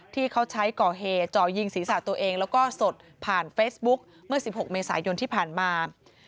ที่เขาใช้ก่อเหตุจ่อยิงศีรษะตัวเองแล้วก็สดผ่านเฟซบุ๊กเมื่อ๑๖เมษายนที่ผ่านมา